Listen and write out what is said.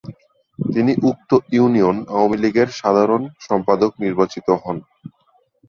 তিনি উক্ত ইউনিয়ন আওয়ামীলীগের সাধারণ সম্পাদক নির্বাচিত হন।